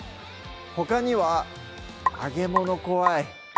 ほかには「揚げ物こわい」